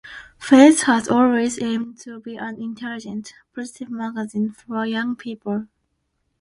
"Faze" has always aimed to be an intelligent, positive magazine for young people.